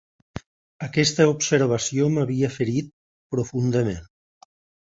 Aquesta observació m'havia ferit profundament